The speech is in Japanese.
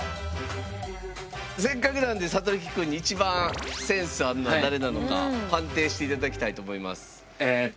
せっかくなんでサトリキくんにいちばんセンスあるのは誰なのか判定して頂きたいと思います。